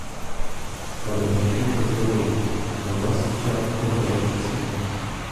А ви молоді та здорові, на вас черга показати себе.